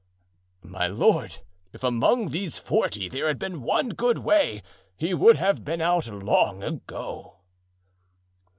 "My lord, if among these forty there had been one good way he would have been out long ago."